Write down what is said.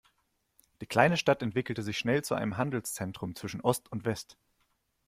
Die kleine Stadt entwickelte sich schnell zu einem Handelszentrum zwischen Ost und West.